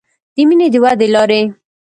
د مینې د ودې لارې